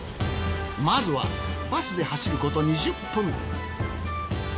まずはバスで走ること２０分。